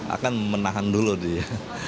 akan menahan dulu dia